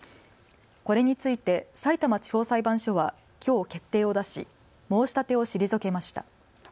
これについてさいたま地方裁判所はきょう決定を出し申し立てを退けました。